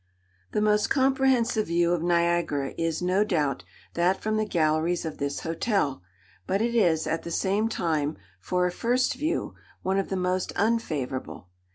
The most comprehensive view of Niagara is, no doubt, that from the galleries of this hotel; but it is, at the same time, for a first view, one of the most unfavourable.